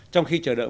trong khi chờ đợi